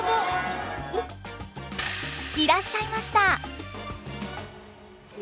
いらっしゃいました。